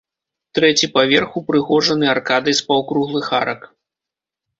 Трэці паверх упрыгожаны аркадай з паўкруглых арак.